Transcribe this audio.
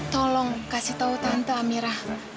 tolong kasih tau tante amira